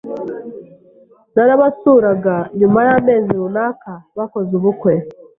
narabasuraga nyuma y’amezi runaka bakoze ubukwe,